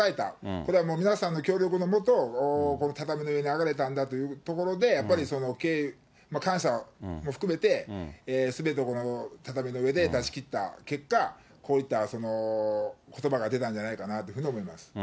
これは皆さんの協力のもと、この畳の上に上がれたんだというところで、やっぱり感謝も含めて、すべてを畳の上で出し切った結果、こういったことばが出たんじゃないかなと思います。